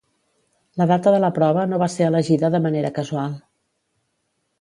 La data de la prova no va ser elegida de manera casual.